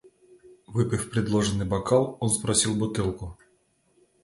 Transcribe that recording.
Выпив предложенный бокал, он спросил бутылку.